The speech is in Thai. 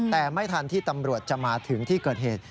แต่ไม่ทันที่ตำรวจจะมาถึงที่เกิดเหตุ